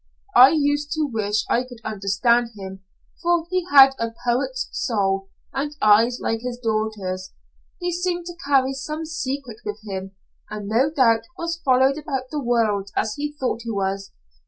I used to wish I could understand him, for he had a poet's soul, and eyes like his daughter's. He seemed to carry some secret with him, and no doubt was followed about the world as he thought he was.